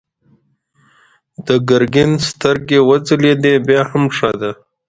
د ګرګين سترګې وځلېدې: بيا هم ښه ده.